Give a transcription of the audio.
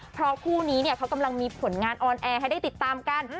เพราะคู่นี้เนี่ยเขากำลังมีผลงานออนแอร์ให้ได้ติดตามกัน